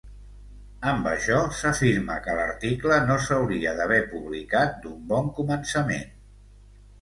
Amb això s'afirma que l'article no s'hauria d'haver publicat d'un bon començament.